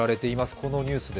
このニュース。